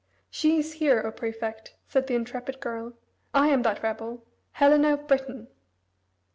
"She is here, O Prefect," said the intrepid girl. "I am that rebel Helena of Britain!"